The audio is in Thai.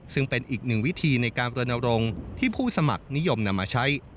ซึ่งเป็นอีกหนึ่งวิธีในการบรณรงค์ที่ผู้สมัครนิยมนำมาใช้